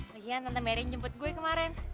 lagian tante merry yang jemput gue kemarin